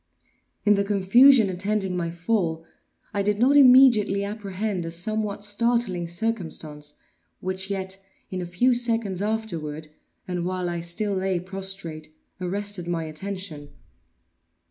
In the confusion attending my fall, I did not immediately apprehend a somewhat startling circumstance, which yet, in a few seconds afterward, and while I still lay prostrate, arrested my attention.